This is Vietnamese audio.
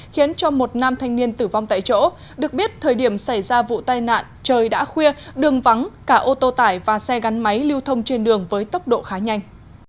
khiến cho một nam thanh niên tử vong tại chỗ được biết thời điểm xảy ra vụ tai nạn trời đã khuya đường vắng cả ô tô tải và xe gắn máy lưu thông trên đường với tốc độ khá nhanh